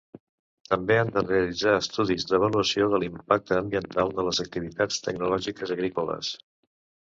També han de realitzar estudis d'avaluació de l'impacte ambiental de les activitats tecnològiques agrícoles.